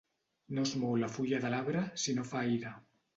No es mou la fulla de l'arbre si no fa aire.